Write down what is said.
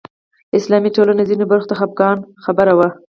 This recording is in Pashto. اسلامي ټولنې ځینو برخو ته خپګان خبره وه